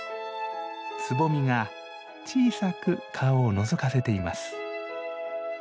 つぼみが小さく顔をのぞかせています。